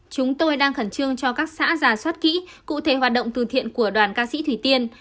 chúng tôi đang khẩn trương cho các xã giả soát kỹ cụ thể hoạt động từ thiện của đoàn ca sĩ thủy tiên